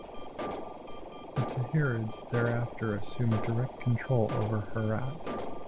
The Tahirids thereafter assumed direct control over Herat.